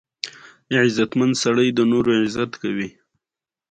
د پښتنو په کلتور کې د شعر ژبه ډیره اغیزناکه ده.